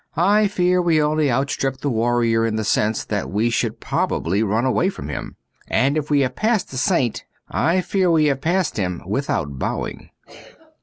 I fear we only outstrip the warrior in the sense that we should probably run away from him. And if we have passed the saint, I fear we have passed him without bowing.